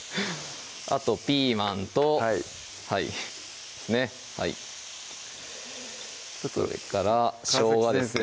あとピーマンとねっはいそれからしょうがですね